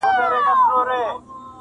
مرور له پلاره ولاړی په غصه سو,